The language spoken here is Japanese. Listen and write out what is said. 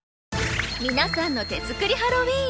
皆さんの手作りハロウィーン